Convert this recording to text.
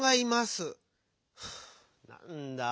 あなんだ。